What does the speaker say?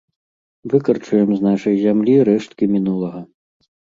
Выкарчуем з нашай зямлі рэшткі мінулага!